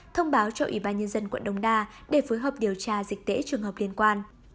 thông báo cho ubnd quận đông đa để phối hợp điều tra dịch tễ trường hợp liên quan